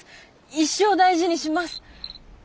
一生大事にします。